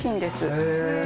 へえ。